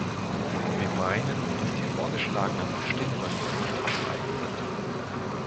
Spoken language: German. Wir meinen, dass die vorgeschlagenen Bestimmungen nicht ausreichend sind.